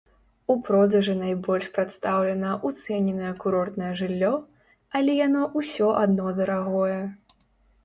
У продажы найбольш прадстаўлена ўцэненае курортнае жыллё, але яно ўсё адно дарагое.